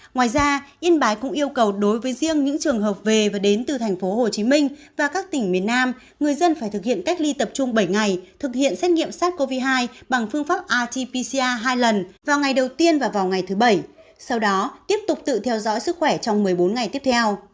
ngoài ra yên bái cũng yêu cầu đối với riêng những trường hợp về và đến từ tp hcm và các tỉnh miền nam người dân phải thực hiện cách ly tập trung bảy ngày thực hiện xét nghiệm sars cov hai bằng phương pháp rt pcca hai lần vào ngày đầu tiên và vào ngày thứ bảy sau đó tiếp tục tự theo dõi sức khỏe trong một mươi bốn ngày tiếp theo